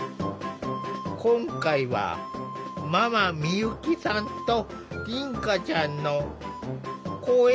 今回はママ美由紀さんと凛花ちゃんの公園